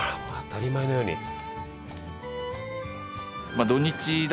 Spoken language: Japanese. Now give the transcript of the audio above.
あら当たり前のように。